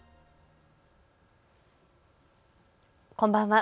こんばんは。